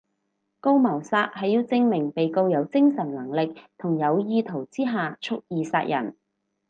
告謀殺係要證明被告有精神能力同有意圖之下蓄意殺人